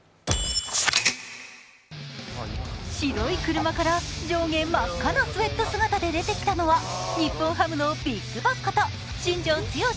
白い車から上下真っ赤なスエット姿で出てきたのは、日本ハムのビッグボスこと新庄剛志